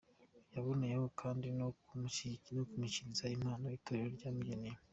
Yaboneyeho kandi no Kumushyikiriza impano Itorero ryamugeneye.